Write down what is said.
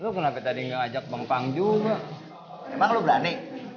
lu kenapa tadi ngajak bangkang juga emang lo berani